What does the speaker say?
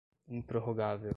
improrrogável